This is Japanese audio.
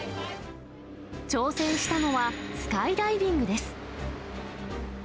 挑戦したのはスカイダイビングです。